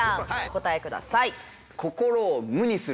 お答えください。